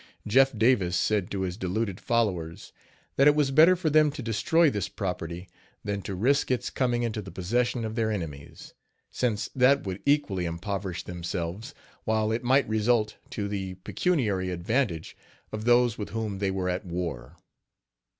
Jeff Davis said to his deluded followers that it was better for them to destroy this property than to risk its coming into the possession of their enemies, since that would equally impoverish themselves, while it might result to the pecuniary advantage of those with whom they were at war.